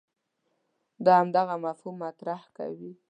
دا همدغه مفهوم مطرح کوي.